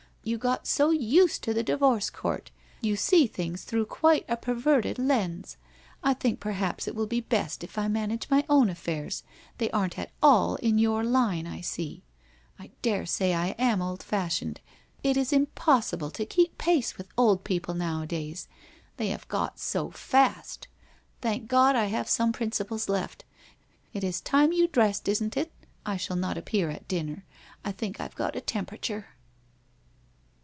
You got so used to the divorce court. You see things through a quite perverted lens. I think perhaps it will be best if I manage my own affairs, they aren't at all in your line I see. I daresay I am old fashioned. It is impossible to keep pace with old people nowadays. They have got so fast. Thank God, I have some principles left. It is time you dressed, isn't it ? I shall not appear at dinner. I think I've got a temperature.'